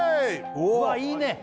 うわいいね